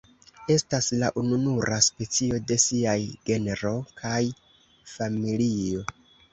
Estas la ununura specio de siaj genro kaj familio.